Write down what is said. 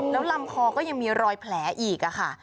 แล้วลำคอก็ยังมีรอยแผลอีกค่ะ